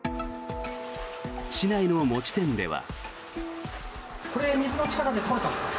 市内の餅店では。